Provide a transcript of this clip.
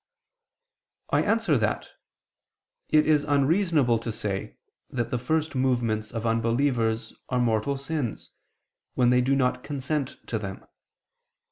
I answer that, It is unreasonable to say that the first movements of unbelievers are mortal sins, when they do not consent to them.